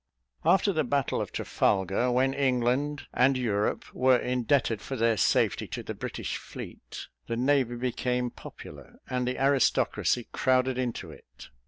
After the battle of Trafalgar, when England and Europe were indebted for their safety to the British fleet, the navy became popular, and the aristocracy crowded into it.